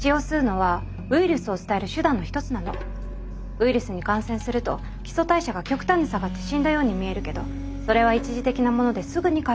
ウイルスに感染すると基礎代謝が極端に下がって死んだように見えるけどそれは一時的なものですぐに回復するの。